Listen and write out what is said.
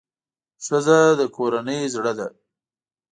ښځه د کورنۍ زړه ده.